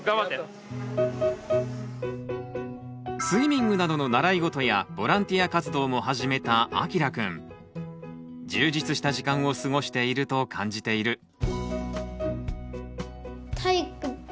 スイミングなどの習い事やボランティア活動も始めたあきらくん。充実した時間を過ごしていると感じている。